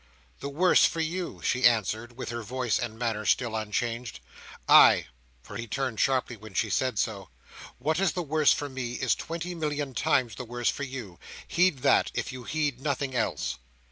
"The worse for you!" she answered, with her voice and manner still unchanged. "Ay!" for he turned sharply when she said so, "what is the worse for me, is twenty million times the worse for you. Heed that, if you heed nothing else."